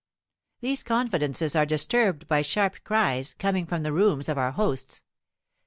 These confidences are disturbed by sharp cries, coming from the rooms of our hosts.